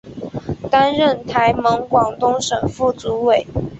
担任台盟广东省副主委。